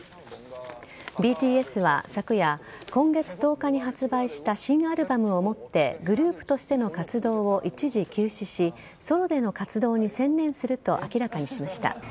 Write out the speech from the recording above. ＢＴＳは昨夜今月１０日に発売した新アルバムをもってグループとしての活動を一時休止しソロでの活動に専念すると明らかにしました。